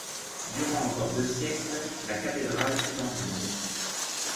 Durant encore deux siècles, la cathédrale fut en ruine.